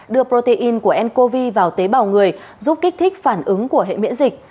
đưa protein của ncov vào tế bào người giúp kích thích phản ứng của hệ miễn dịch